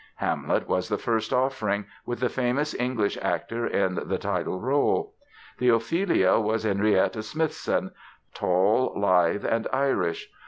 "Hamlet" was the first offering, with the famous English actor in the title role. The Ophelia was Henrietta Smithson, tall, lithe and Irish.